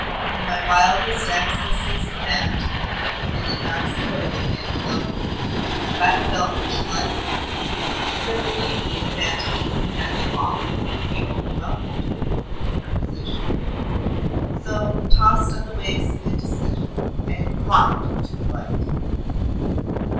In my wildest accesses of vanity I did not suppose Vanna loved me, but I felt she liked me, and I believe the advantages I had to offer would be overwhelming to a woman in her position. So, tossed on the waves of indecision, I inclined to flight.